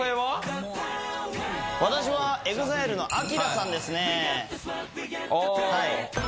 私はＥＸＩＬＥのＡＫＩＲＡさんですね